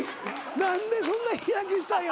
何でそんな日焼けしたんや。